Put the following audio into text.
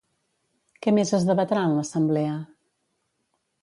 Què més es debatrà en l'assemblea?